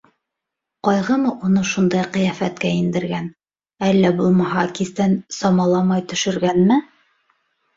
Ҡайғымы уны шундай ҡиәфәткә индергән, әллә булмаһа, кистән самаламай төшөргәнме?